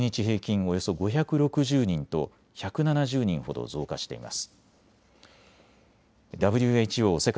およそ５６０人と１７０人ほど増加しています。